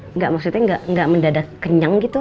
enggak maksudnya nggak mendadak kenyang gitu